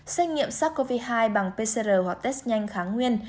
xét nghiệm sars cov hai bằng pcr hoặc test nhanh kháng nguyên